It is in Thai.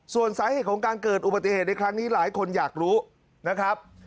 ส่วนสาเหตุของการเกิดอุบัติเหตุในครั้งนี้หลายคนอยากรู้นะครับ